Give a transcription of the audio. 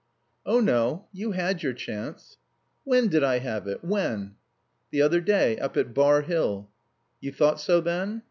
"Oh, no. You had your chance." "When did I have it? When?" "The other day. Up at Bar Hill." "You thought so then?"